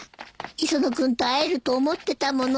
磯野君と会えると思ってたもの。